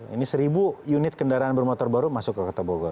ini seribu unit kendaraan bermotor baru masuk ke kota bogor